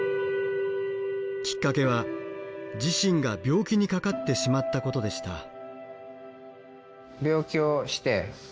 きっかけは自身が病気にかかってしまったことでした。